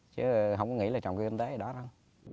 chứ không có nghĩ là trồng cây kinh tế gì đó đâu